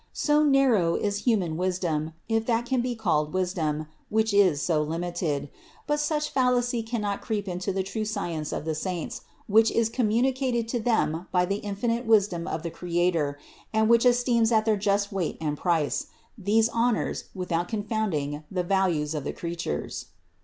So narrow is human wisdom, if that can be called wisdom, which is so limited. But such fallacy cannot creep into the true science of the saints, which is communicated to them by the infinite wisdom of the Creator, and which esteems at their just weight and price these honors with out confounding the values of the creatures.